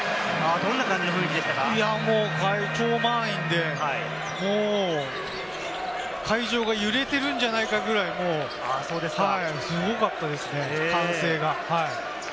超満員で、会場が揺れてるんじゃないかぐらい、すごかったですね、歓声が。